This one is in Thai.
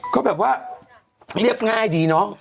เขาแบบว่าเรียบง่ายดีน้อง